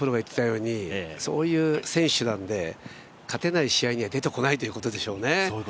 そういう選手なんで勝てない試合には出てこないということでしょうね。